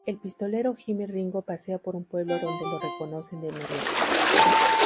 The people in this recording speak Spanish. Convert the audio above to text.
El pistolero Jimmy Ringo pasea por un pueblo donde lo reconocen de inmediato.